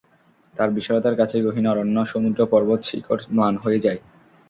তাঁর বিশালতার কাছে গহিন অরণ্য, সমুদ্র, পর্বত শিখর ম্লান হয়ে যায়।